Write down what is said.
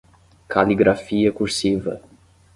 Caligrafia cursiva